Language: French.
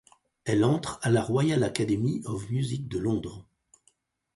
Elle entre à la Royal Academy of Music de Londres.